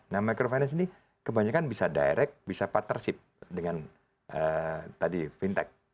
nah microfinance ini kebanyakan bisa direct bisa partnership dengan tadi fintech